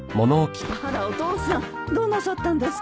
あらお父さんどうなさったんですか？